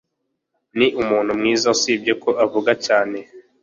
Ni umuntu mwiza, usibye ko avuga cyane.